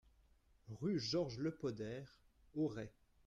Rue Georges Le Poder, Auray